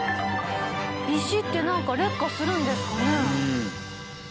石ってなんか劣化するんですかね？